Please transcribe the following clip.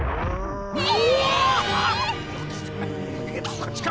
こっちか？